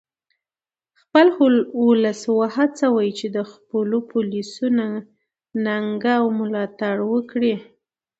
خپل ولس و هڅوئ چې د خپلو پولیسو ننګه او ملاتړ وکړي